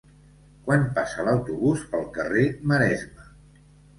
Quan passa l'autobús pel carrer Maresme?